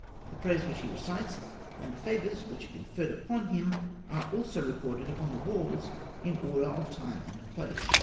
The prayers which he recites and the favours which are conferred upon him are also recorded upon the walls in order of time and place.